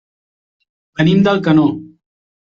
Venim d'Alcanó.